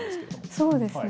そうですね